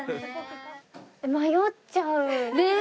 迷っちゃう。ね！